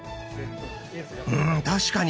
うん確かに。